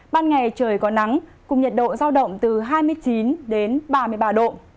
ban ngày trời có nắng cùng nhiệt độ giao động từ hai mươi chín đến ba mươi ba độ